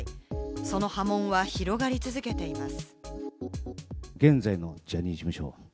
その波紋は広がり続けています。